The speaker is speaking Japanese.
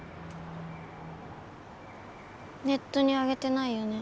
ネットにあげてないよね。